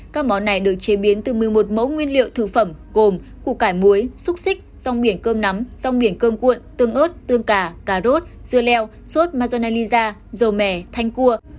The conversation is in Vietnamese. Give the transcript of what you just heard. các món này được chế biến từ một mươi một mẫu nguyên liệu thực phẩm gồm củ cải muối xúc xích rong biển cơm nắm rong biển cơm cuộn tương ớt tương cà cà rốt dưa leo sốt mazonelliza dầu mẻ thanh cua